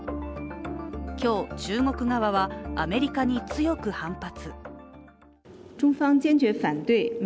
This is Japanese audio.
今日、中国側はアメリカに強く反発。